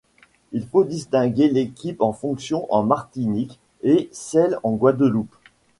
Il faut distinguer l'équipe en fonction en Martinique et celle en Guadeloupe.